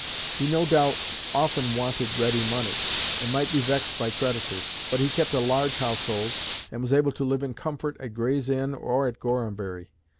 He no doubt often wanted ready money, and might be vexed by creditors. But he kept a large household, and was able to live in comfort at Gray's Inn or at Gorhambury.